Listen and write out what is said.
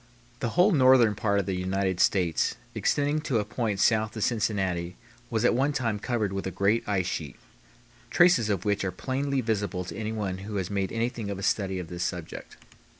The whole northern part of the United States extending to a point south of Cincinnati was at one time covered with a great ice sheet, traces of which are plainly visible to anyone who has made anything of a study of this subject.